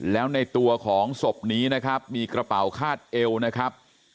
แล้วในตัวของศพนี้นะครับมีกระเป๋าคาดเอวนะครับ